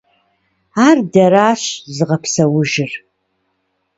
Ар дэращ зыгъэпсэужыр.